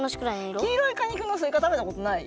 きいろいかにくのすいかたべたことない？